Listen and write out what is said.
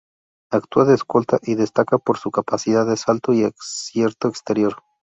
Actúa de Escolta y destaca por su capacidad de salto y acierto exterior.